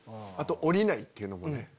あと降りないっていうのもね。